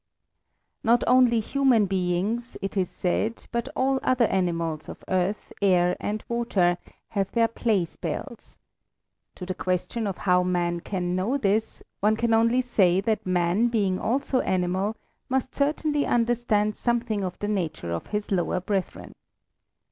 Not only human beings, it is said, but all other animals of earth, air, and water have their play spells. To the question of how man can know this, one can only say that man being also animal, must certainly understand something of the nature of his lower brethren.